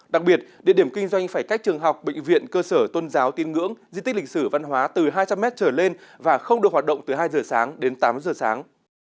đặc biệt địa điểm kinh doanh phải cách trường học bệnh viện cơ sở tôn giáo tiên ngưỡng diện tích lịch sử văn hóa từ hai trăm linh m trở lên và không được hoạt động từ hai giờ sáng đến tám giờ sáng